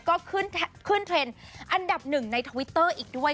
ก็ขึ้นเทรนด์อันดับหนึ่งในทวิตเตอร์อีกด้วย